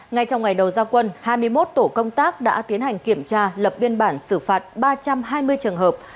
ngay trong ngày đầu gia quân hai mươi một tổ công tác đã tiến hành kiểm tra lập biên bản xử phạt ba trăm hai mươi trường hợp